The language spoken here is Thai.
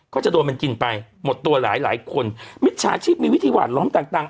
ก็จะโดนมันกินไปหมดตัวหลายหลายคนมิจฉาชีพมีวิธีหวานล้อมต่างต่าง